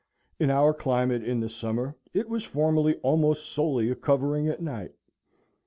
In our climate, in the summer, it was formerly almost solely a covering at night.